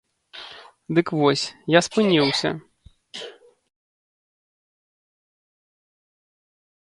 Дык вось, я спыніўся.